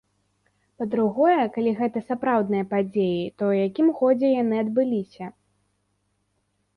Па-другое, калі гэта сапраўдныя падзеі, то ў якім годзе яны адбыліся.